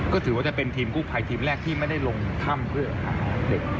ก็ถือว่าจะเป็นทีมกู้ภัยทีมแรกที่ไม่ได้ลงถ้ำเพื่อหาเด็ก